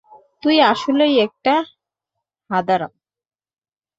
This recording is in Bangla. তুই আসলেই একটা হাঁদারাম।